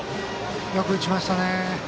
よく打ちましたね。